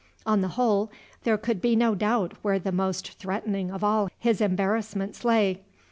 On the whole, there could be no doubt where the most threatening of all his embarrassments lay.